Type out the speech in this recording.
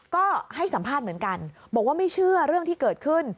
ก็ให้สัมภาษณ์เหมือนกันบอกว่าไม่เชื่อเรื่องที่เกิดขึ้น